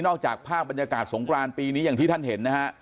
จากภาพบรรยากาศสงครานปีนี้อย่างที่ท่านเห็นนะฮะ